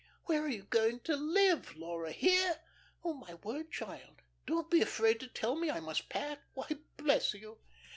"Where are you going to live, Laura? Here? My word, child, don't be afraid to tell me I must pack. Why, bless you."